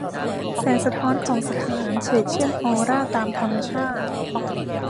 แสงสะท้อนของสถาน เฉกเช่นออร่าตามธรรมชาติ